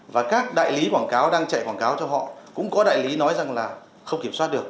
và các đại lý quảng cáo đang chạy quảng cáo cho họ cũng có đại lý nói rằng là không kiểm soát được